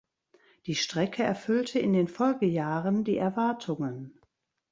Die Strecke erfüllte in den Folgejahren die Erwartungen.